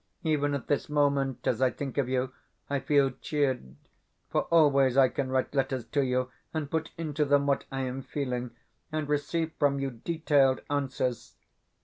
Even at this moment, as I think of you, I feel cheered, for always I can write letters to you, and put into them what I am feeling, and receive from you detailed answers....